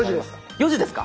４時ですか！